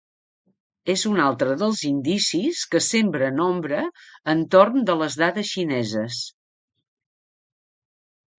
És un altre dels indicis que sembren ombra entorn de les dades xineses.